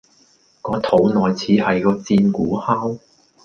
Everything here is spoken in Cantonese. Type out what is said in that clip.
個肚內似係個戰鼓敲